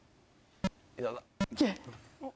いけ！